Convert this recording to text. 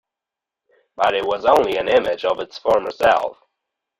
But it was only an image of its former self.